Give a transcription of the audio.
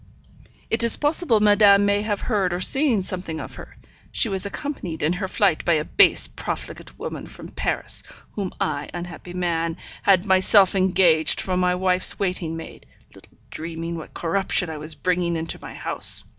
It is possible madame may have heard or seen something of her; she was accompanied in her flight by a base, profligate woman from Paris, whom I, unhappy man, had myself engaged for my wife's waiting maid, little dreaming what corruption I was bringing into my house!'